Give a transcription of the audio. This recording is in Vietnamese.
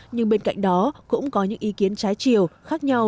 nhưng bên cạnh đó cũng có những ý kiến trái chiều khác nhau